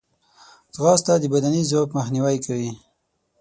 ځغاسته د بدني ضعف مخنیوی کوي